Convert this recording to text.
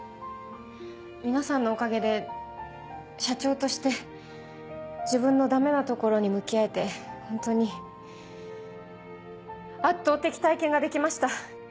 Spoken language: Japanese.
皆さんのおかげで社長として自分のダメなところに向き合えてホントに圧倒的体験ができました。